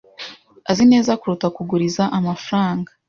Azi neza kuruta kuguriza amafaranga.